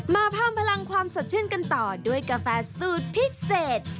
มาเพิ่มพลังความสดชื่นกันต่อด้วยกาแฟสูตรพิเศษ